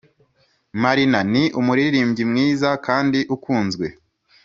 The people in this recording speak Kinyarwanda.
Marina ni umuririmbyi mwiza kandi ukunzwe